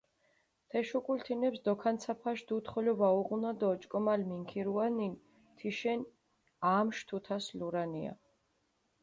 თეშ უკულ თინეფს დოქანცაფაშ დუდი ხოლო ვაუღუნა დო ოჭკომალ მინქირუანინ თიშენ ამშვი თუთას ლურანია.